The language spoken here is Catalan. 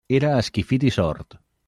Era esquifit i sord.